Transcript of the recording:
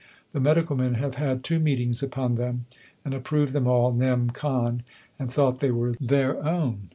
The Medical Men have had two meetings upon them, and approved them all nem. con., and thought they were their own.